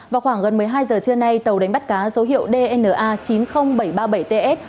vào khoảng gần một mươi hai giờ trưa nay tàu đánh bắt cá số hiệu dna chín mươi nghìn bảy trăm ba mươi bảy ts